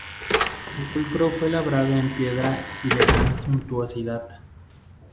Su sepulcro fue labrado en piedra y de gran suntuosidad.